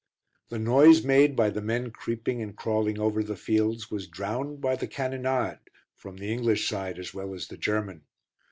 The noise made by the men creeping and crawling over the fields was drowned by the cannonade, from the English side as well as the German.